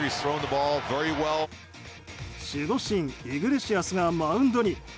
守護神イグレシアスがマウンドに。